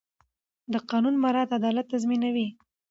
د قانون مراعت عدالت تضمینوي